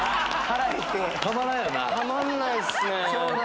たまんないっすね。